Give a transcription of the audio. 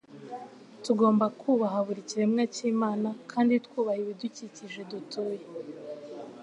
Tugomba kubaha buri kiremwa cyImana kandi twubaha ibidukikije dutuye